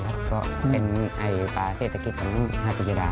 ก็เจ้ายังว่าปลาเสศกิตของฮะสุธิยุดา